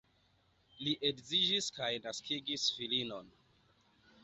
Li edziĝis kaj naskigis filinon.